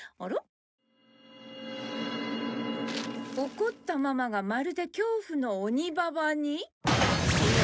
「怒ったママがまるで恐怖の鬼ババに」。